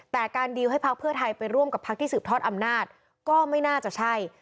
แต่การดีลให้พักเพื่อไทยไปร่วมกับพักที่สืบทอดอำนาจก็ไม่น่าจะใช่